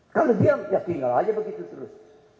kalau diam ya tinggal aja begitu terus